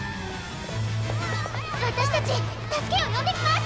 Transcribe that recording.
わたしたち助けをよんできます！